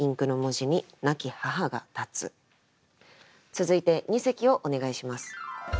続いて二席をお願いします。